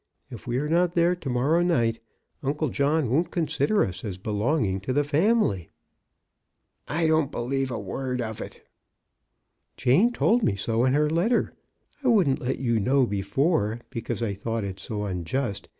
If we are not there to morrow night, Uncle John won't consider us as belonging to the family." I don't believe a word of it." " Jane told me so in her letter. I wouldn't let you know before because I thought it so unjust.